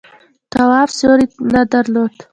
تواب سیوری نه درلود.